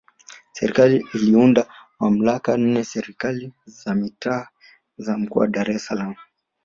Serikali iliunda mamlaka nne za Serikali za Mitaa za Mkoa wa Dar es Salaam